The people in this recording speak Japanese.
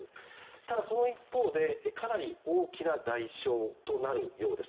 ただ、その一方でかなり大きな代償となるようです。